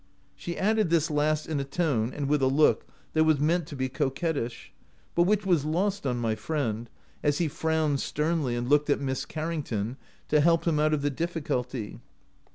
' She added this last in a tone and with a look that was meant to be co quettish, but which was lost on my friend, as he frowned sternly and looked at Miss Carrington to help him out of the difficulty.